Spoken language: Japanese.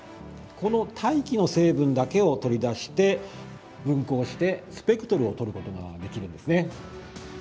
この大気の成分だけを取り出して分光してスペクトルをとることができるんですね。